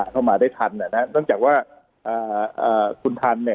เข้ามาได้ทันนะฮะตั้งจากว่าอ่าอ่าคุณทันเนี้ย